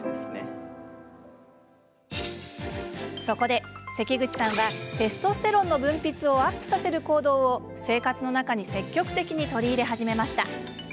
そこで、関口さんはテストステロンの分泌をアップさせる行動を生活の中に積極的に取り入れ始めました。